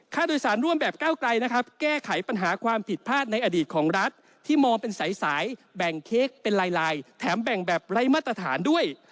โดยสารร่วมแบบก้าวไกลนะครับแก้ไขปัญหาความผิดพลาดในอดีตของรัฐที่มองเป็นสายแบ่งเค้กเป็นลายแถมแบ่งแบบไร้มาตรฐานด้วย